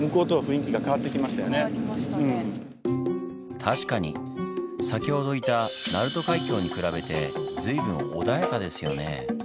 確かに先ほどいた鳴門海峡に比べて随分穏やかですよねぇ。